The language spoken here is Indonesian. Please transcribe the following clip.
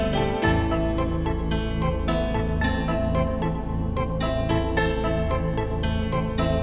siapa yang undang kamu